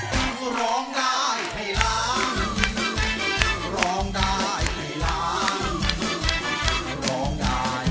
ก็ร้องได้ให้ร้างร้องได้ให้ร้างร้องได้ให้ร้าง